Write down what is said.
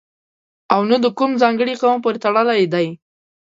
او نه د کوم ځانګړي قوم پورې تړلی دی.